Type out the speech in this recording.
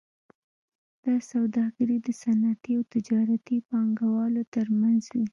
دا سوداګري د صنعتي او تجارتي پانګوالو ترمنځ وي